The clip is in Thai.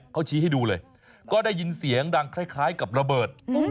เขาชี้ให้ดูเลยก็ได้ยินเสียงดังคล้ายกับระเบิด